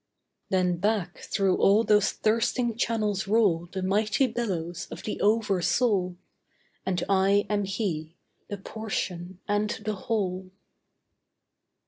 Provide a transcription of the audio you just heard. Then back through all those thirsting channels roll The mighty billows of the Over Soul. And I am He, the portion and the Whole.